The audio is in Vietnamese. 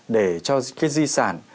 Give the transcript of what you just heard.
để cho cái di sản